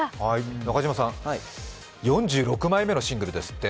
中島さん、４６枚目のシングルですって。